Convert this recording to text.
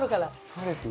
そうですね。